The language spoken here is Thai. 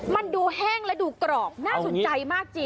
มันดูแห้งและดูกรอบน่าสนใจมากจริง